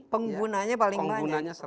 penggunanya paling banyak